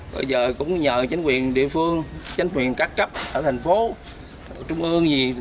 bây giờ cũng nhờ chính quyền địa phương chính quyền các cấp ở thành phố trung ương gì